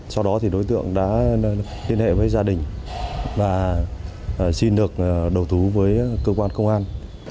sau đó thì đối tượng đã liên hệ với gia đình và xin được đầu thú với cơ quan công an